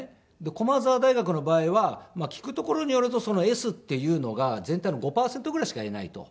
駒澤大学の場合は聞くところによるとそのＳっていうのが全体の５パーセントぐらいしかいないと。